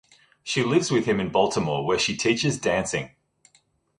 She lives with him in Baltimore where she teaches dancing.